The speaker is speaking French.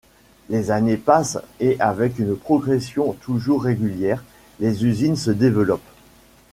Les années passent et avec une progression toujours régulière, les usines se développent.